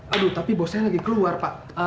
aduh tapi bosnya lagi keluar pak